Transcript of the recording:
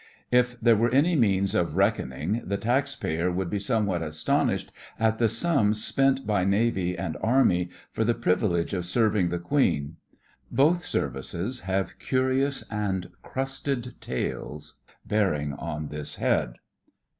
If there were any means of reckoning, the tax payer would be somewhat astonished at the sums spent by Navy and Army for the privilege of serving the Queen. Both services have curious and crusted tales bearing on this head.